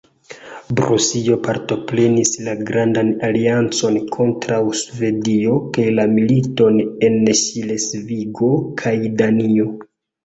Prusio partoprenis la grandan aliancon kontraŭ Svedio kaj la militon en Ŝlesvigo kaj Danio.